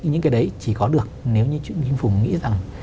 những cái đấy chỉ có được nếu như chính phủ nghĩ rằng